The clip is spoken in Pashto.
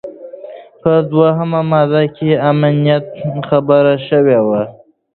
په دوهمه ماده کي د امنیت خبره شوې وه.